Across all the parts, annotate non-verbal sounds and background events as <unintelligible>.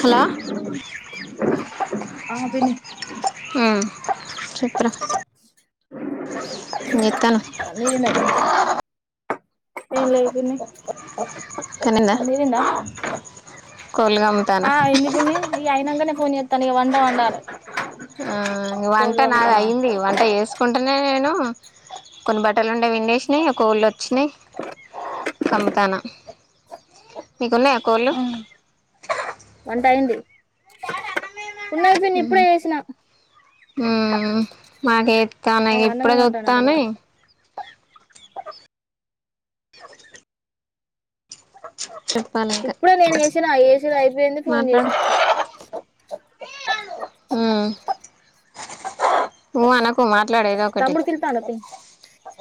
Hello ఆ పిన్ని సత్ర్ర నత్తన ఏ లే పిన్ని కానీంద పంది తిందా ఆ ఎన్ని పిన్ని ఈ అయినంకనే పోని తన వండ వంటారు ఆ వంట నాద అయింది వంట చేసుకుంట అంటనే నేను కొన్ని బట్టలు ఉండే విండేసినాయి ఒక ళ్ళ వచ్చినాయి <inaudible> కమ్ముతానా మీకున్నాయా కోళు ఆ వంట అయింది ఉన్నయి పిన్ని ఇప్పుడే చేసినా ఉ మాకేస్తాను అగొ అన్నమే ఇప్పుడే వండానట బావ చూస్తానే స ఇప్పుడే నేను వేసిన వేసూడు అయిపోయింది ఫోన్ చేసిన అ మ అన మాట్లాడేదొ ఒకటి తమ్ముడు పిలుత్తాండా పిన్ని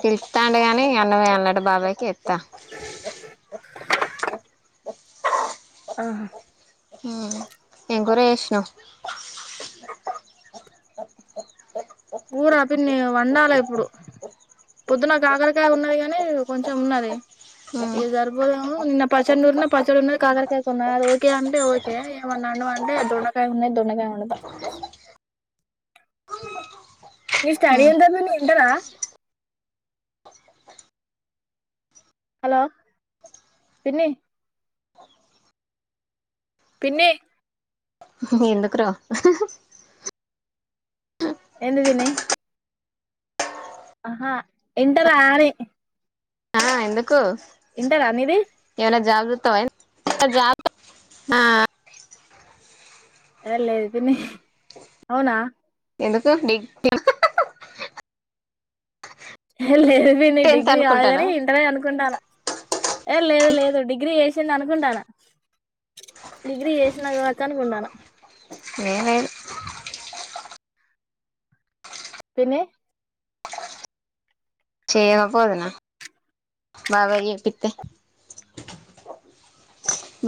పిలుస్తాండు గాని అన్నం వెయ్యాలనట బాబాయ్ కి ఏస్తా ఆా ఎంకరే విషణం కూర పిన్ని వండాలి ఇప్పుడు పొద్దునకు ఆకరికా ఉన్నది కాగానీ కొంచెం ఉన్నది ఇది చేసినావ్ సరిపోదేమో నిన్న పచ్చనూరున పచ్చరు కాగరకాయ కొన్నా అది ఓకే అంటే ఓకే ఏమన్నాన్నా అంటే దొండకాయ ఉన్నాయి దొన్నకాయ ఉండద న స్టడీ ఎంతి ఇంటరా హలో పీ పిన్ని ఎందుకూర ఎందు తని ఆహా ఇంటారా ఆనీ ఆ ఎందుకు ఇంటర నిది ఏమైనా జాబ్ జుత్తవ ఏంది నా జాబ్ ఆ ఎ లేదు పిన్ని అవునా ఎందుకు డిగ్ హే లేద్ పిన్ని నీ టెన్త్ డిగ్రీ కాదుగాని అనుకుంటానవా ఇంటరే అనుకుంటాన్న ఏ లేదు లేదు డిగ్రీ చేసిండు అనుకుంటాన్న డిగ్రీ చేసినవు కావచ్చు అనుకుంటాన్న నేనే పిన్ని చేయవ పోదున్న బాబాయి చెపిత్తే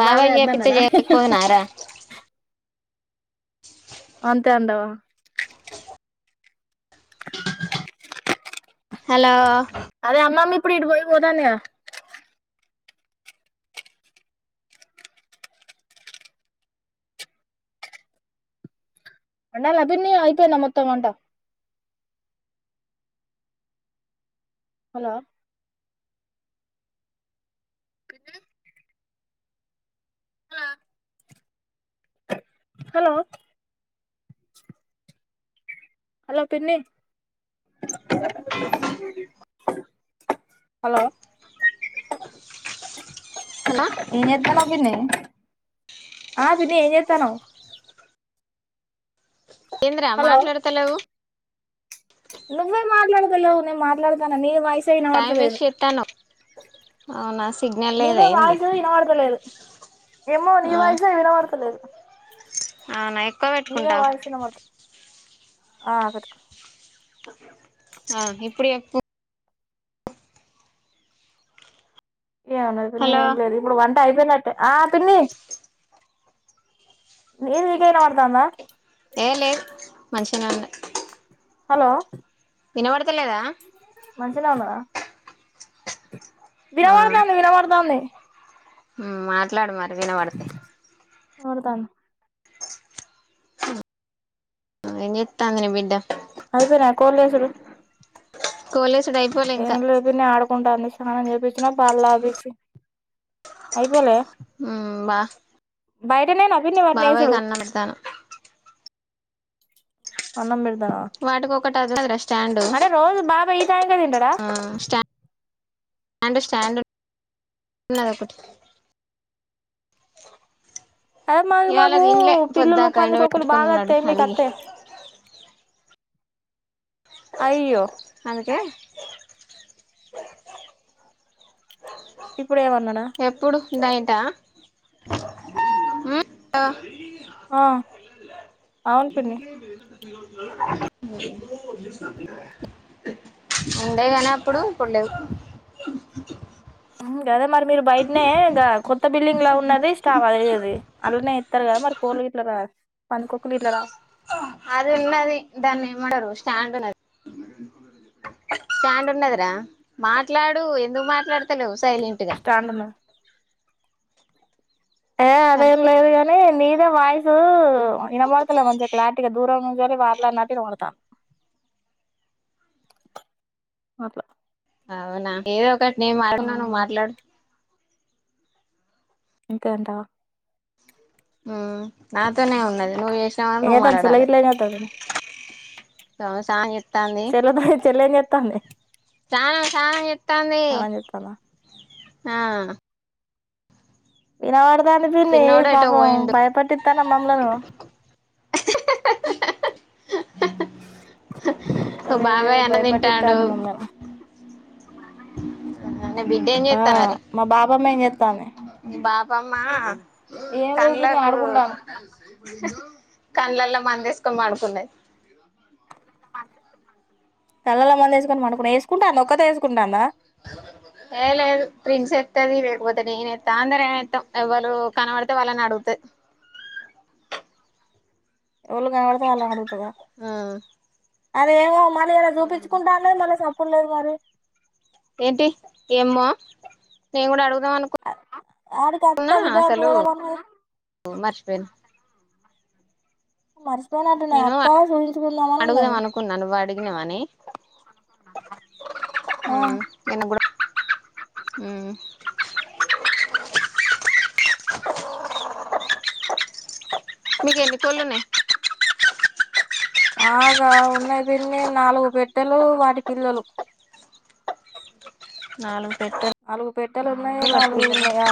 బాబాయి బాబాయ్ చెపిత్తే వద్దన్నాడా చేయకపోదునారా అంతే అండవా హలో అదే అమ్మమ్మ ఇప్పుడు ఇటు పోయి పోతంది గ వండాల పిన్ని అయిపోయింద మొత్తం వంట హలో పిన్ని హలో హలో పిన్ని హలో హలో ఎం చెత్తన్నావ్ పిన్ని ఆ పిన్ని ఏం చెత్తన్నావ్ ఏంద్రా మాట్లాడత లేవు నువ్వే మాట్లాడత లేవు నే మాట్లాడతాన్న నీ వాయిస్ టైం వినబడతలేదు వేస్ట్ చేత్తన్నావ్ అవునా సిగ్నల్ లేదా నీదే ఏంది వాయిస్ వినబడతలేదు ఏమ్మొ నీ ఆ వాయిస్ వినబడతలేదు అవునా ఎక్కువ నీదే పెట్టుకుంటావు వాయిసే వినమడత లేదు తే ఆ పెట్టుకో ఆ ఇప్పుడు చెప్పు ఏం అన్నావ్ ఇప్పుడు నే హలో ఏం లేదు ఇప్పుడు వం అయిపోయినట్టే ఆ పిన్నీ నిది నీకే వినవడతందా మంచినే ఉన్నాయి హలో వినవాడు మంచినే ఉన్నవ <unintelligible> వినవాడతంది వినవాడతంది మ ట్లాడు మరి వినవడితే అడుదాను ఇ ఏం చెత్తంది నీ బిడ్డ అయిపోయినా కోల్లేసులు కలేజ్ ఏం లేపో న ఆడుకుంటా అంది చానం చెప్ప వచ్చిన పాలు తపిచ్చి అయిపోలే బ బైర ననా భిని వారి న సుడ పెడతాను అన్నం పెడ వాటికి ఒకటి వస్తాదిరా స్టాండు అంటే రోజు బాబాయ్ ఈ టైంకే తింటాడా ఆ స్టాం స్టాంన్నటి అదే మాకు మాకు పిల్లులు పొద్దాక పందికొక్కలు ఎండబెట్టుకొని బాగా ఉన్నాడు వస్తాయి మీకు అలిగి అస్తాయా అయ్యో అకే ఇప్పుడ ఏమన్నాడా ఎప్పుడు నైటా ఆ అవును పిన్నీ ఉండే నీ అప్పుడు ఇప్పుడు లేవ్ కదా మరి మీరు బయటనే ఇంకా కొత్త బిల్డింగ్ లా ఉన్నది స్టాక్ అదది అలానే ఇస్తారు కదా మరి కోరి గట్ల పంది కుక్కలి ఇట్ల రా అది ఉన్నది దాన్ని ఏమడరు స్టాండ్ ఉన్నది స్టాండ్ ఉన్నదిరా మాట్లాడు ఎందుకు మాట్లాడతలేవు సైలెంట్గా స్టాండ్ ఉన్నది ఏ ఆ అదేం లేదు గాని నీదే వాయిసూ వినపోతలేదు మంచిగా క్లారిటీగా దూరం నుంచి మాట్లానట్టు ఇనబడతంది అవునా ఏదో ఒక నేను మాట్లాన్నా నువ్వు మాట్లాడు అంతే అంటావా ఉ నాతోనె ఉన్నది నువ్ ఎ ఎతాను చెల ఇలతా స్నానం చెలద చెలత్తా తానం తానం చెత్తాంది స్నానం చేత్తాందా ఆ ఇనబడ అనిపింది చిన్నోడు పాప ఎటో పోయిండు భయపట్టితాను మమ్లలను అదే బాబాయ్ అన్నం తింటాండు భయపట్టితాంది మమల్ని నీ బిడ్డ ఏం ఆ చేత్తాంది మా బాబామే నస్తానే బమా కన్లకు ఆడుకుంటాంది కళ్డ్లల్లో మందేసుకొని అనుకున్నది తలల మంద ఎస్కొ మకు ఏసు ఏ లేదు ప్రిన్స ది వేకపోతే నేనెస్తా అందరు ఏనెత్తాం వాళు కనబడితే వాళ్ళని అడుగుతా ఎళ కావడతే అలా అడుగుతుందా ఆ అదేమో మళ్ళీ ఇలా చూపించుకుంటా అనే మనీ చెప్పలేదు మరి ఏంటి ఏమా మేము కూడా అడుగుదాం ఆడికి అత్త అనుకున్నా బిడ్డ అసలు పోదాం అన్నది మర్చిపోయిను మర్చిపోయినట్టున్నాయి నేను అత్తా చూచించుకుందామని అన్నది ఇన మనే ఆ ఏను కూడా అ మీకేన్ని తలేనే బాగా ఉన్నాయి పిన్ని నాలుగు బిడ్డలు వాటి పిల్లలు నాలుగు పెట్టెలు నాలుగు పెట్టలున్నాయి వాటి పిల్లలు నాలుగున్నాయా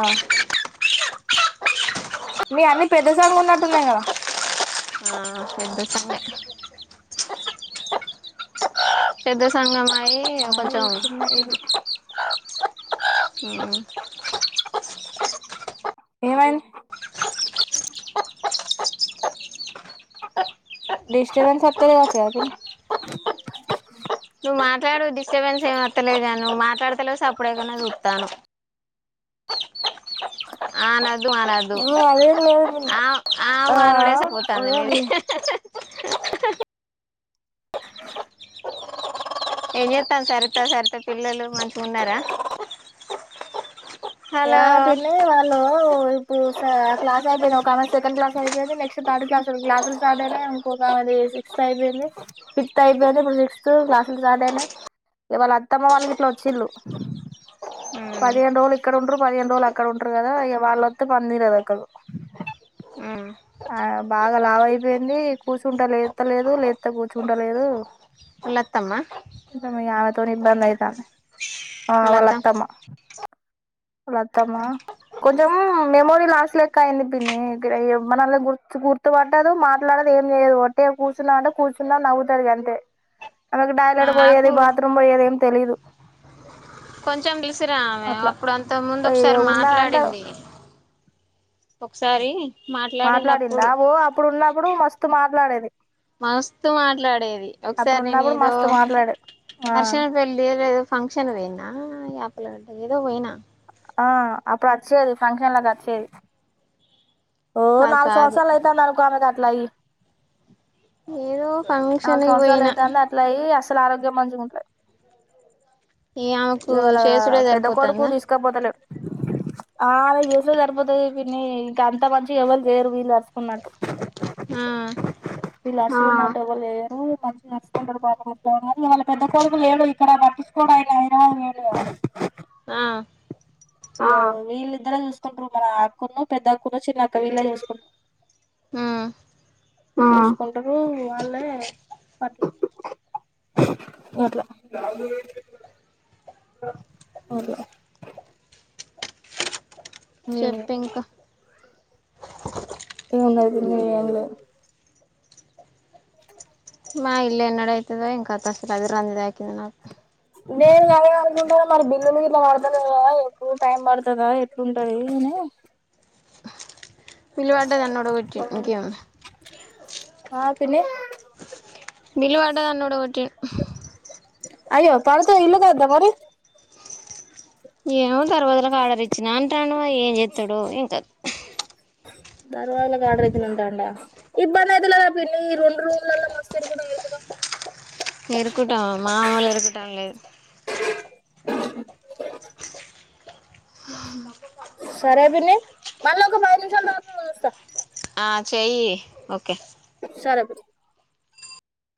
మీ అన్ని పెద్ద సంగున్నట్టు ఉన్నాయి కదా ఆ పెద్ద సొమ్మె ఏదొ సంగమా మాయి చిన్న ఇది అ హుమ్ ఏమైంది డిస్టబెన్స్ వత్తలేద స్వాతి నువ్వు మాట్లాడు డిస్టర్బెన్స్ ఏమర్లేదు కా నువ్వు మాట్లాడతలే స అప్పుడేకు చూడతాను అనదు ఆనదు ఆ అదేం లేదు పిన్ని ఆ ఆవు ఆ అనోడసపోతాంద ఉదయం నది హ్ ఏం చేత్తాంది సరిత సరిత పిల్లలు మంచిగా ఉన్నారా య హలో పిన్ని వాళ్ళ ఇప్పుడు క్లాస్ అయిపోయింది ఒక ఆ సెకండ్ క్లాస్ అయిపోయింది నెక్స్ట్ థర్డ్ క్లాస్ క్లాసులు స్టార్ట్ అయినాయి ఇంకొక ఆది సిక్స్త్ అయిపోయింది ఫిఫ్త్ అయిపోయింది ఇప్పుడు సిక్స్త్ క్లాసులు స్టార్ట్ అయినాయి వాళ్ళ అత్తమ్మ వాళ్ళకి ఇట్లా వచ్చిళు పదిహేను రోజులు ఇక్కడ ఉంట్రరు పదిహేను రోజులు అక్కడ ఉంటరు కదా ఇగ వాళ్ళొత్తే పంపిలేదు ఒకరు ఉమ్ ఆ బాగా లావ అయిపోయింది కూర్చుంటా లేస్తలేదు లేస్త కూర్చుంట లేదు హలొ అత్తమ్మ నిబందద్దా ఆ లత వాళతమ్మా లతమ్మ కొంచం మెమోరి లాస్ట్ లెక్కయింది పిన్ని మనల్ని గుర్తు గుర్తు పట్టదు మాట్లాడదు ఏంచేయదు ఒట్టిగా కూర్చున్నా అంటే కూర్చున్నా నవ్వుతాది అంతే అదొక కాడ పోయేది నాకు బాత్రూమ్ పోయేది తెలీదు కొంచెం పిలిసిరా ఆమె అట్లా అప్పుడు అంత ముందు ఒకసారి ఉన్నద అంటే మాట్లాడింది ఒకసారి మాట్లాడిందా మాట్లాడినప్పుడు ఓ అప్పుడున్నప్పుడు మస్తు మాట్ రాలేదీ మస్తు మాట్లాడేది అప్పుడు ఒకసారి నేను ఉన్నప్పుడు ఏదో మస్తు మాట్లాడేది ఆ హర్షన పెళ్ళి లే ఫంక్షన్ పోయినా యాపలో ఏదో పోయినా ఆ అప్పుడు వచ్చేది ఫంక్షన్ లకి వచ్చేది ఓ కాదు నాలుగు కాదు సంవత్సరాలు అయిపోయింది అనుకో ఆమె క <unintelligible> ఏదో ఫంక్షన్ నాలుగు సంవత్సరాలు పోయినా అయితే అంది అట్లా అయి ఆరోగ్యం మంచిగుంటది ఈ ఆమెకు ఇవాళ చేసుడే పెద్ద కొడుకు సరిపోతుందా తీసుకపోతలే ఆమె కు చేసుడే సరిపోతది పిన్ని ఇంక అంత మంచిగా ఎవరు చేయరు. వీళ్ళు అరుసుకున్నట్టు ఆ వాళ్ళ పెద్ద కొడుకు లేడు ఇక్కడ పట్టించుకోడాయన అయిన వాళ్ళు లేరు ఆ ఆ వీళ్ళిద్దరే చూసుకుంట్రు మరి ఆ అక్కను పెద్దక్కును చిన్నక్క వీళ్ళే చూసుకుంట్ ఆ చూసుకుంటరు వాళ్ళే పట్ ఎట్లా అవులో చెప్పింక ఏం ఉండదు మీ ఏంలే మా ఇల్ ఎన్నడ అయితదో ఇంక <unintelligible> <unintelligible> ర అంది దాకింది నాకు నేను కాద అనుకుంటాను మరి బిల్లులు ఇట్లా పడతలేదా ఎప్పుడు టైం పడుతుందా ఎట్లుంటది అని పిలువాట తన్నోటట్టి ఇంకేం ఉంది ఆ పిన్ని <unintelligible> అయ్యో తాడుతో ఇల్లు కా అద్దా మరి ఏము పరువదులలకు ఆర్డర్ ఇచ్చిన అంటాండు మరి ఏం చేత్తడో ఇంకా దర్వాజలకి ఆర్డర్ ఇచ్చి ఉంటాండం ఇబ్బంది అయితులేదా పిన్ని ఈ రెండు రూమ్లలో మస్త్ ఇరకడం ఇరకడం ఇరుకుటాం మామూలు ఇరుకుటం లేదు న్నా <unintelligible> సరే బిన్ని మళ్ళీ ఒక పది నిమిషాలు తర్వాత వస్తా ఆ చెయి ఓకే సారా త్